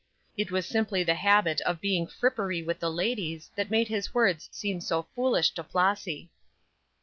It was simply the habit of being frippery with the ladies that made his words seem so foolish to Flossy.